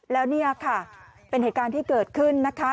แล้วเนี่ยค่ะเป็นเหตุการณ์ที่เกิดขึ้นนะคะ